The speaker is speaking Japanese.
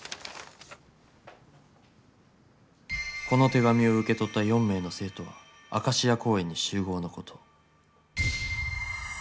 「この手紙を受け取った４名の生徒はアカシア公園に集合のこと」。